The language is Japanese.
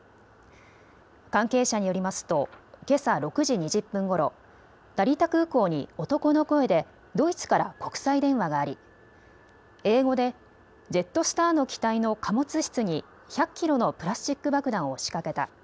関係者によりますとけさ６時２０分ごろ成田空港に男の声でドイツから国際電話があり英語でジェットスターの機体の貨物室に１００キロのプラスチック爆弾を仕掛けた。